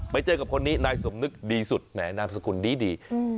ไปเจอกับคนนี้นายสมนึกดีสุดแหมนามสกุลดี